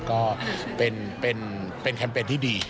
ก็เป็นแคมเปญที่ดี